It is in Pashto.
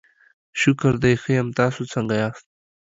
شکر دی، ښه یم، تاسو څنګه یاست؟